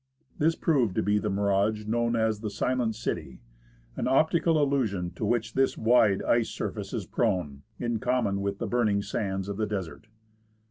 This proved to be the mirage known as " the Silent City," an optical illusion to which this wide ice surface is prone, in common with the burning sands of the desert.